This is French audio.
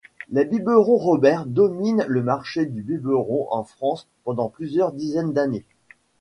Les biberons Robert dominent le marché du biberon en France pendant plusieurs dizaines d'années.